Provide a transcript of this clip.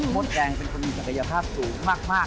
มดแดงเป็นคนมีศักยภาพสูงมาก